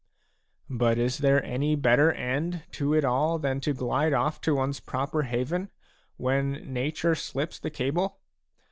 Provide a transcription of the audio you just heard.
J But is there any better end to it all than to glide off to one's proper haven, when nature slips the cable